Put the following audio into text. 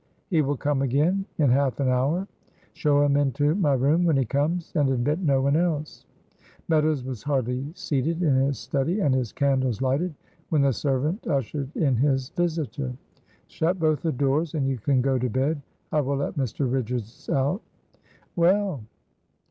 "He will come again?" "In half an hour." "Show him into my room when he comes, and admit no one else." Meadows was hardly seated in his study and his candles lighted when the servant ushered in his visitor. "Shut both the doors, and you can go to bed. I will let Mr. Richards out." "Well?"